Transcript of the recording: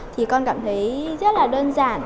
thì con cảm thấy rất là đơn giản